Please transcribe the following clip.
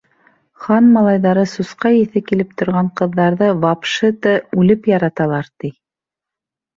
Хан малайҙары сусҡа еҫе килеп торған ҡыҙҙарҙы вапшы-ты үлеп яраталар, ти!